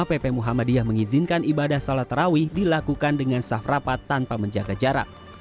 pp muhammadiyah mengizinkan ibadah sholat tarawih dilakukan dengan safrapat tanpa menjaga jarak